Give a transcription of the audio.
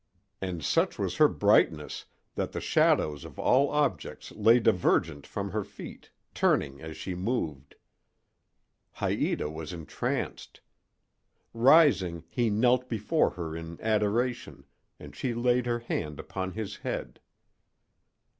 And such was her brightness that the shadows of all objects lay divergent from her feet, turning as she moved. Haïta was entranced. Rising, he knelt before her in adoration, and she laid her hand upon his head.